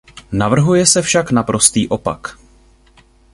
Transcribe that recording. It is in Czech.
Navrhuje se však naprostý opak.